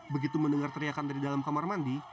begitu mendengar teriakan dari dalam kamar mandi